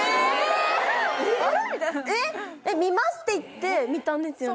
えっ「見ます」って言って見たんですよね？